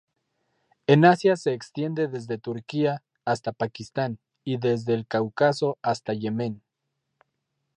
En Asia se extiende desde Turquía hasta Pakistán, y desde el Cáucaso hasta Yemen.